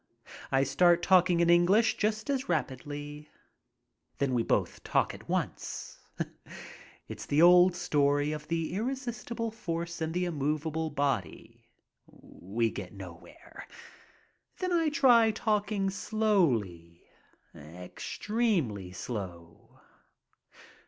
I start talking in English just as rapidly. Then we both talk at once. It's the old story of the irresistible force and the immovable body. We get nowhere. Then I try talking slowly, extremely slow.